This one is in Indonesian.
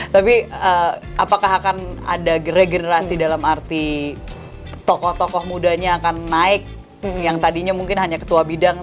tapi apakah akan ada regenerasi dalam arti tokoh tokoh mudanya akan naik yang tadinya mungkin hanya ketua bidang